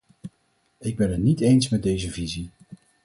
Ik ben het niet eens met deze visie.